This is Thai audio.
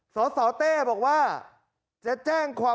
สสเต้บอกว่า